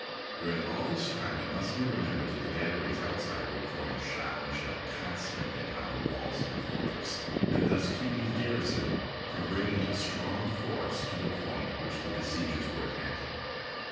During all this time it must be remembered that the batteries outside were pouring shot and shell constantly upon the walls of the fortress, and thus keeping the garrison from bringing a strong force to the point which the besiegers were attacking.